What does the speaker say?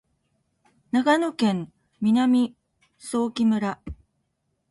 長野県南相木村